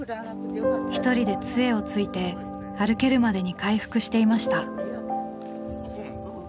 一人で杖をついて歩けるまでに回復していました。